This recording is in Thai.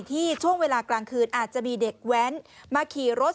ช่วงเวลากลางคืนอาจจะมีเด็กแว้นมาขี่รถ